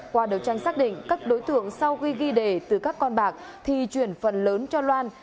qua đấu tranh xác định các đối tượng sau ghi đề từ các con bạc thì chuyển phần lớn cho loan